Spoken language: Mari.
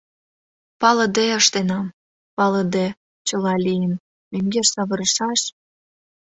«Палыде ыштенам... палыде, чыла лийын... мӧҥгеш савырышаш...